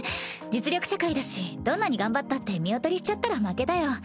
実力社会だしどんなに頑張ったって見劣りしちゃったら負けだよ。